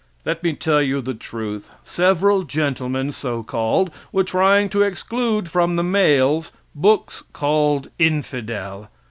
Let me tell you the truth. Several gentlemen, so called, were trying to exclude from the mails, books called infidel.